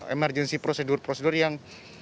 emergensi prosedur prosedur yang